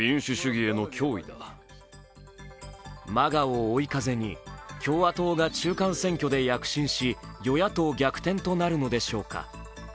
ＭＡＧＡを追い風に共和党が中間選挙で逆転し与野党逆転となるのでしょうか。